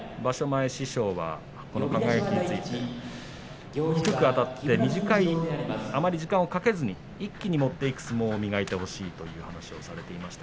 前、師匠は輝について低くあたってあまり時間をかけずに一気に持っていく相撲を磨いてほしいと言ってます。